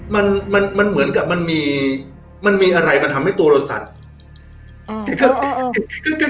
มันมันเหมือนกับมันมีมันมีอะไรมันทำให้ตัวเราสั่น